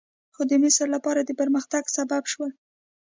خو د مصر لپاره د پرمختګ سبب شول.